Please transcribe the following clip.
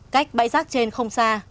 cách bãi rác trên không xa